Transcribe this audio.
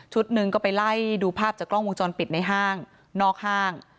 หนึ่งก็ไปไล่ดูภาพจากกล้องวงจรปิดในห้างนอกห้าง